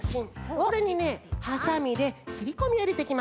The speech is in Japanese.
これにねはさみできりこみをいれていきます。